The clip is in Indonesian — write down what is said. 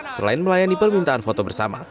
selain melayani permintaan foto bersama